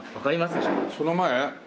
その前？